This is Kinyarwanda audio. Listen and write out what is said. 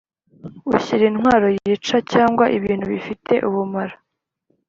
ushyira intwaro yica cyangwa ibintu bifite ubumara